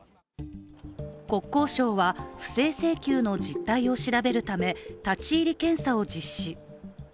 国交省は、不正請求の実態を調べるため立ち入り検査を実施。